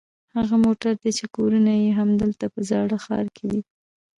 هغه موټر دي چې کورونه یې همدلته په زاړه ښار کې دي.